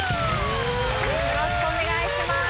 よろしくお願いします。